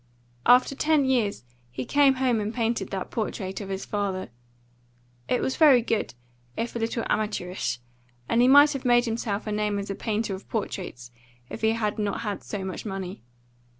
After ten years he came home and painted that portrait of his father. It was very good, if a little amateurish, and he might have made himself a name as a painter of portraits if he had not had so much money.